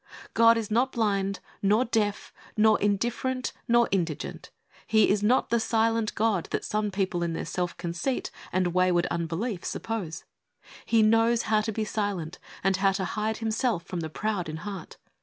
God is not blind, nor deaf, nor indifferent, nor indigent. He is not " the silent God '' that some people in their self conceit and wayward unbelief suppose. He knows how to be silent, and how to hide Himself from the proud in heart.